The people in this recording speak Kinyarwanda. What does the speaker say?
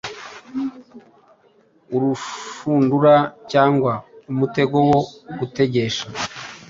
urushundura cyangwa umutego wo gutegesha.